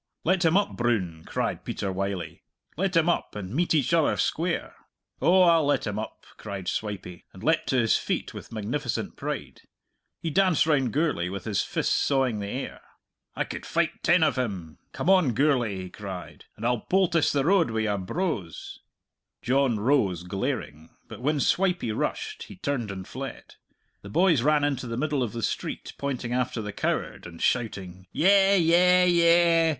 "Let him up, Broon!" cried Peter Wylie "let him up, and meet each other square!" "Oh, I'll let him up," cried Swipey, and leapt to his feet with magnificent pride. He danced round Gourlay with his fists sawing the air. "I could fight ten of him! Come on, Gourlay!" he cried, "and I'll poultice the road wi' your brose." John rose, glaring. But when Swipey rushed he turned and fled. The boys ran into the middle of the street, pointing after the coward and shouting, "Yeh! yeh! yeh!"